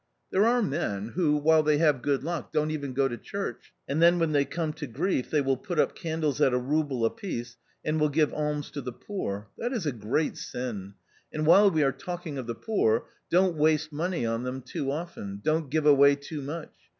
There are men, who, while they have good luck, don't even go to church, and then when they come to grief, they will put up candles at a rouble a piece, and will give alms to the poor — that is a great sin. And while we are talking of the poor— don't waste money on them too often, don't give away too much.